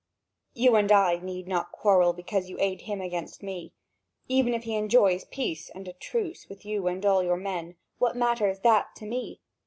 You and I need not quarrel because you aid him against me. Even if he enjoys peace and a truce with you and all your men, what matters that to me?